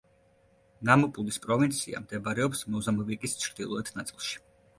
ნამპულის პროვინცია მდებარეობს მოზამბიკის ჩრდილოეთ ნაწილში.